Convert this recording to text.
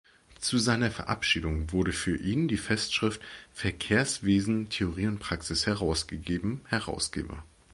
Zu seiner Verabschiedung wurde für ihn die Festschrift „Verkehrswesen –Theorie und Praxis“, herausgegeben, Hrsg.